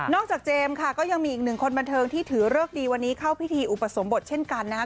เจมส์ค่ะก็ยังมีอีกหนึ่งคนบันเทิงที่ถือเลิกดีวันนี้เข้าพิธีอุปสมบทเช่นกันนะครับ